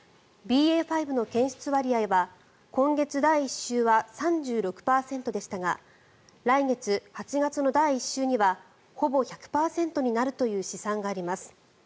ＢＡ．５の検出割合は今月第１週は３６％でしたが来月８月の第１週にはほぼ１００％になるという試算があります。